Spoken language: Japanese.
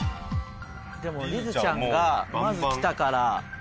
でもりづちゃんがまず来たから。